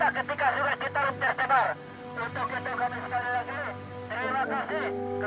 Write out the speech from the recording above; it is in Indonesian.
atau sungai citarum ini ini disangkut standaraathy dunia